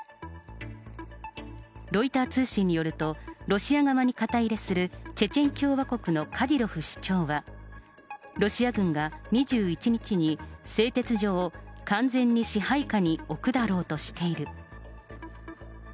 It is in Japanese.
ロイター通信によると、ロシア側に肩入れするチェチェン共和国のカディロフ首長は、ロシア軍が２１日に製鉄所を完全に支配下に置くだろうとしている。